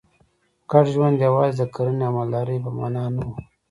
ګډ ژوند یوازې د کرنې او مالدارۍ په معنا نه و.